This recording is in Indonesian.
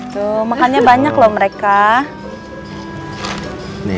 tuh makannya banyak loh mereka